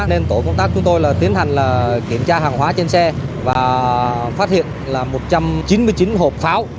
nên tổ công tác chúng tôi là tiến hành kiểm tra hàng hóa trên xe và phát hiện là một trăm chín mươi chín hộp pháo